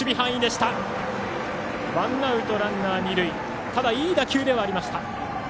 ただ、いい打球ではありました。